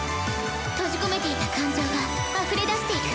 「閉じ込めていた感情が溢れ出していく」